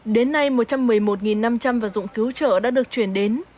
đến nay một trăm một mươi một năm trăm linh vật dụng cứu trợ đã được chuyển đến